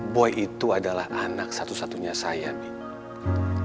boy itu adalah anak satu satunya saya nih